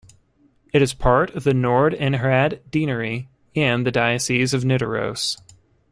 It is part of the Nord-Innherad deanery and the Diocese of Nidaros.